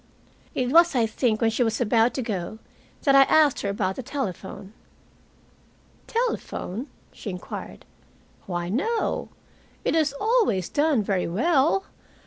It was, I think, when she was about to go that I asked her about the telephone. "Telephone?" she inquired. "Why, no. It has always done very well.